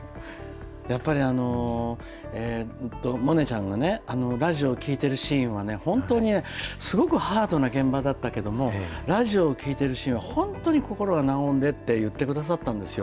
やっぱり、萌音ちゃんがラジオを聴いてるシーンはね、本当にすごくハードな現場だったけれども、ラジオを聴いてるシーンは本当に心が和んでって言ってくださったんですよ。